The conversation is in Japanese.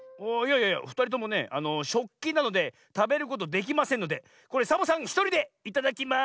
いやいやふたりともねしょっきなのでたべることできませんのでこれサボさんひとりでいただきます！